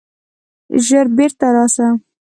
ژر بیرته راسه!